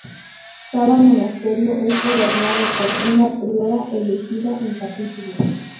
Cada monasterio es gobernado por una priora, elegida en capítulo.